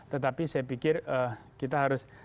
tetapi saya pikir kita harus